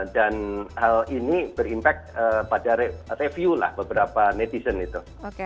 hal ini berimpact pada review lah beberapa netizen itu